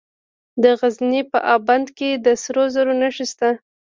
د غزني په اب بند کې د سرو زرو نښې شته.